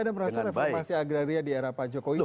anda merasa reformasi agraria di era pak jokowi